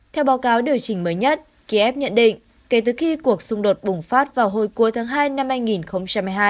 theo báo cáo điều chỉnh mới nhất kiev nhận định kể từ khi cuộc xung đột bùng phát vào hồi cuối tháng hai năm hai nghìn hai mươi hai